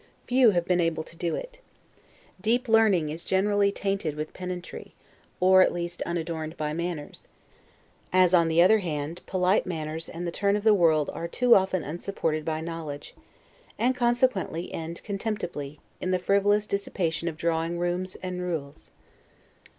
Few have been able to do it. Deep learning is generally tainted with pedantry, or at least unadorned by manners: as, on the other hand, polite manners and the turn of the world are too often unsupported by knowledge, and consequently end contemptibly, in the frivolous dissipation of drawing rooms and ruelles.